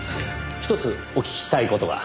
ひとつお聞きしたい事が。